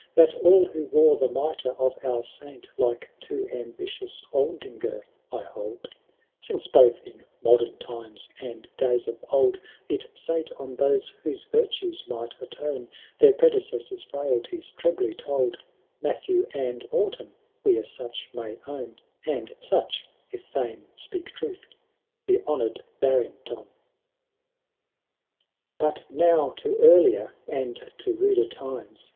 That all who wore the mitre of our Saint lake to ambitious Aldingar I hold ; Since both in modem times and days of old It sate on those whose virtues might atone Their predecessors* frailties trebly told : Matthew and Morton we as such may own — And such (if fame speak truth) the honour^'d Barring ton.» II. But now to earlier and to ruder times.